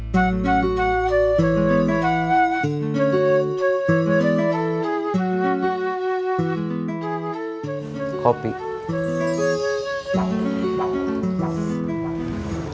mak baru masuk